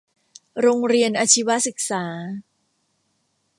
โรงเรียนอาชีวศึกษา